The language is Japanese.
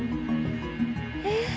えっ？